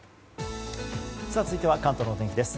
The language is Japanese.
続いては関東のお天気です。